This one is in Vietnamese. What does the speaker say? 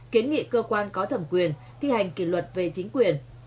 kiến nghị cơ quan có thẩm quyền thi hành kỷ luật về chính quyền